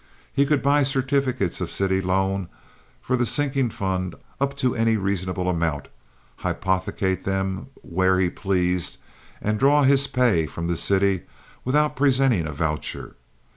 He could buy certificates of city loan for the sinking fund up to any reasonable amount, hypothecate them where he pleased, and draw his pay from the city without presenting a voucher.